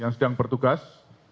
yang sedang bertugas